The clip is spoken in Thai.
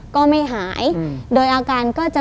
ก็ไม่หายโดยอาการก็จะ